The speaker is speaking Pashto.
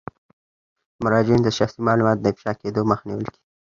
د مراجعینو د شخصي معلوماتو د افشا کیدو مخه نیول کیږي.